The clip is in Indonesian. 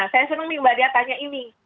saya senang nih mbak dia tanya ini